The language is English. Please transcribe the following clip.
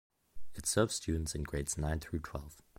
It serves students in grades nine through twelve.